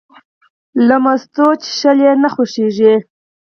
له مستو څښل یې نه خوښېږي.